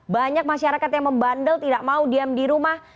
banyak masyarakat yang membandel tidak mau diam di rumah